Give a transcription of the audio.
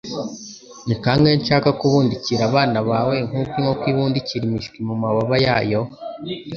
ni kangahe nshaka kubundikira abana bawe nkuko inkoko ibundikira imishwi mu mababa yayo;